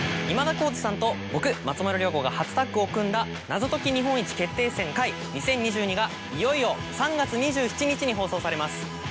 今田耕司さんと僕松丸亮吾が初ダッグを組んだ『謎解き日本一決定戦Ｘ２０２２』がいよいよ３月２７日に放送されます。